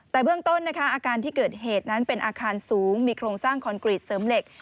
แต่เบื้องต้นนะคะอาคารที่เกิดเหตุนั้นเป็นอาคารสูงมีโครงสร้างคอนกรีตเสริมเหล็ก